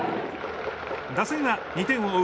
打線は２点を追う